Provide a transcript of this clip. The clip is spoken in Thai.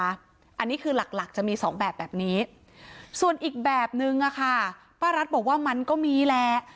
อันนี้คือหลักหลักจะมีสองแบบแบบนี้ส่วนอีกแบบนึงอะค่ะป้ารัฐบอกว่ามันก็มีแหละ